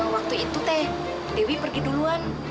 waktu itu teh dewi pergi duluan